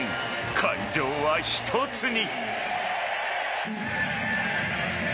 会場は一つに。